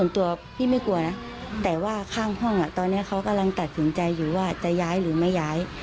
แทบว่าข้างห้องตอนนี้เขากำลังตัดสินใจอยู่ว่าจะย้ายหรือไม่ย้าย